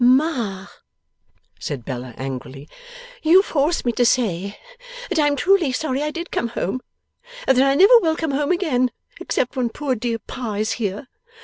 'Ma,' said Bella, angrily, 'you force me to say that I am truly sorry I did come home, and that I never will come home again, except when poor dear Pa is here.